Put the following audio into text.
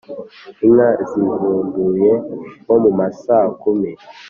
inka zihinduye (nko mu masaa kumi)